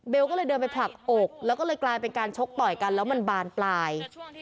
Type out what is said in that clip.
ก็เลยเดินไปผลักอกแล้วก็เลยกลายเป็นการชกต่อยกันแล้วมันบานปลาย